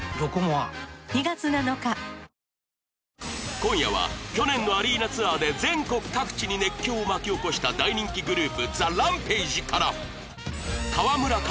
今夜は去年のアリーナツアーで全国各地に熱狂を巻き起こした大人気グループ ＴＨＥＲＡＭＰＡＧＥ から川村壱